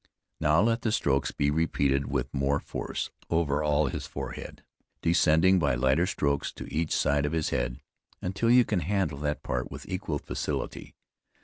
Now let the strokes be repeated with more force over all his forehead, descending by lighter strokes to each side of his head, until you can handle that part with equal facility.